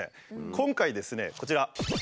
今回ですねこちら！